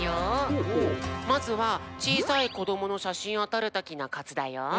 まずはちいさいこどものしゃしんをとるときのコツだよ！